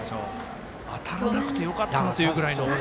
当たらなくてよかったなというぐらいの。